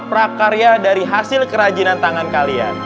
prakarya dari hasil kerajinan tangan kalian